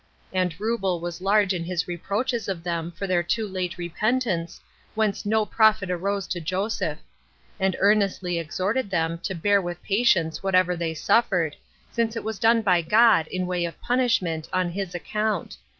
And Reubel was large in his reproaches of them for their too late repentance, whence no profit arose to Joseph; and earnestly exhorted them to bear with patience whatever they suffered, since it was done by God in way of punishment, on his account.